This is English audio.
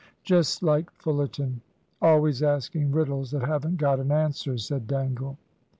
"Just like Fullerton. Always asking riddles that haven't got an answer," said Dangle.